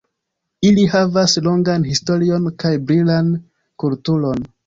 Ili havas longan historion kaj brilan kulturon.